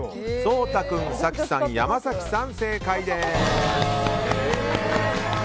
颯太君、早紀さん、山崎さん正解です！